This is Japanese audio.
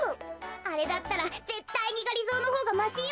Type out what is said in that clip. あれだったらぜったいにがりぞーのほうがましよ。